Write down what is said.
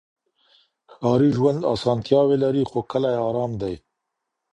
ښاري ژوند اسانتیاوې لري خو کلی ارام دی.